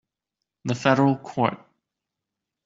The federal court.